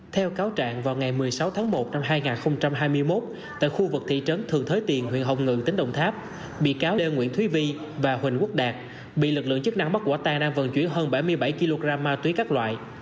theo cáo trạng vào ngày một mươi sáu tháng một năm hai nghìn hai mươi một tại khu vực thị trấn thường thới tiền huyện hồng ngự tỉnh đồng tháp bị cáo đê nguyễn thúy vi và huỳnh quốc đạt bị lực lượng chức năng bắt quả tang đang vận chuyển hơn bảy mươi bảy kg ma túy các loại